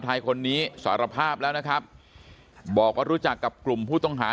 ไทยคนนี้สารภาพแล้วนะครับบอกว่ารู้จักกับกลุ่มผู้ต้องหา